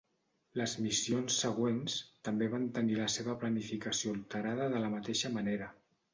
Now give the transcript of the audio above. Les missions següents també van tenir la seva planificació alterada de la mateixa manera.